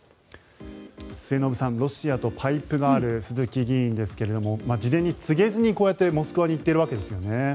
末延さん、ロシアとパイプのある鈴木議員ですが事前に告げずにこうやってモスクワに行っているわけですよね。